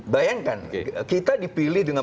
bayangkan kita dipilih dengan